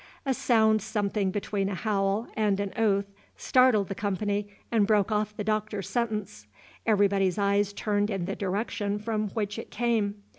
A sound something between a howl and an oath startled the company and broke off the Doctor's sentence. Everybody's eyes turned in the direction from which it came.